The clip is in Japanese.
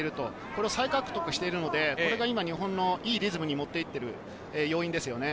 これ、再獲得してるので、それが日本のいいリズムに持って行っている要因ですよね。